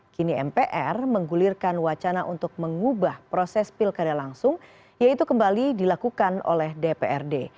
kini mpr menggulirkan wacana untuk mengubah proses pilkada langsung yaitu kembali dilakukan oleh dprd